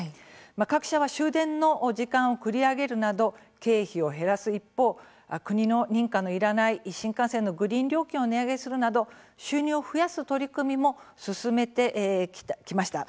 各社は終電の時間を繰り上げるなど経費を減らす一方国の認可のいらない新幹線のグリーン料金を値上げするなど収入を増やす取り組みも進めてきました。